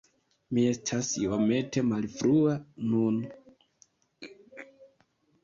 Mi estas iomete malfrua nun.